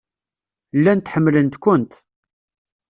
Llant ḥemmlent-kent.